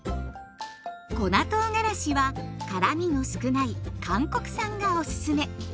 粉とうがらしは辛みの少ない韓国産がおすすめ。